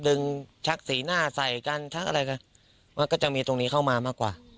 ชักสีหน้าใส่กันชักอะไรกันมันก็จะมีตรงนี้เข้ามามากกว่า